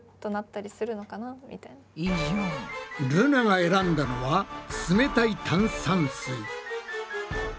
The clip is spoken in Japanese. ルナが選んだのは「つめたい炭酸水」。